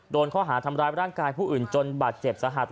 โดนข้อหาทำร้ายร่างกายผู้อื่นจนบาดเจ็บสาหัส